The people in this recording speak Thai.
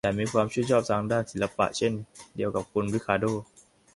ฉันมีความชื่นชอบทางด้านศิลปะเช่นเดียวกับคุณริคาร์โด้